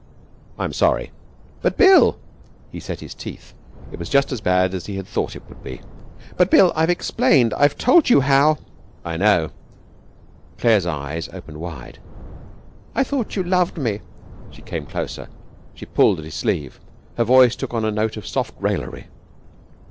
'I'm sorry. 'But, Bill!' He set his teeth. It was just as bad as he had thought it would be. 'But, Bill, I've explained. I've told you how ' 'I know.' Claire's eyes opened wide. 'I thought you loved me.' She came closer. She pulled at his sleeve. Her voice took on a note of soft raillery.